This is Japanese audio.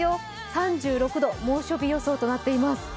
３６度、猛暑日予想となっています。